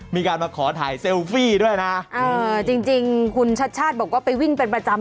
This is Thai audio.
มีการมาขอถ่ายเซลฟี่ด้วยนะเออจริงจริงคุณชัดชาติบอกว่าไปวิ่งเป็นประจำ